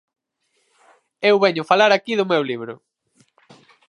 Eu veño falar aquí do meu libro.